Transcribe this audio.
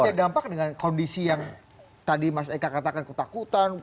ada dampak dengan kondisi yang tadi mas eka katakan ketakutan